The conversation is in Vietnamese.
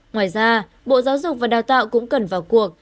ngoài ra bộ giáo dục và đào tạo cũng cần vào cuộc